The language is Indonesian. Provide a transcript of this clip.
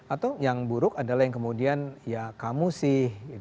atau yang buruk adalah yang kemudian ya kamu sih